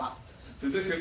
「続く」